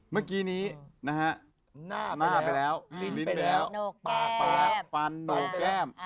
เมื่อกี้นี้นะฮะหน้าไปแล้วลิ้นแล้วปากปากฟันโหนกแก้ม